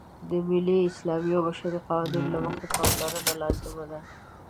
د ملي، اسلامي او بشري قوانینو له مخې پاملرنه لازمه ده.